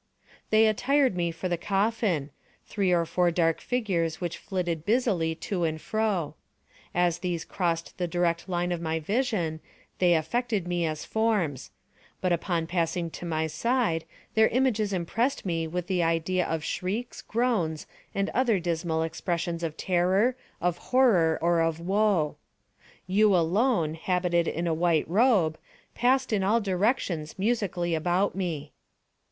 They attired me for the coffin—three or four dark figures which flitted busily to and fro. As these crossed the direct line of my vision they affected me as forms; but upon passing to my side their images impressed me with the idea of shrieks, groans, and other dismal expressions of terror, of horror, or of wo. You alone, habited in a white robe, passed in all directions musically about me.